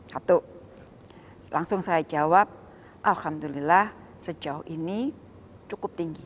satu langsung saya jawab alhamdulillah sejauh ini cukup tinggi